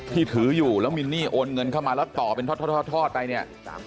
ที่ถืออยู่แล้วมินนี่โอนเงินเข้ามาแล้วต่อเป็นทอดไปเนี่ย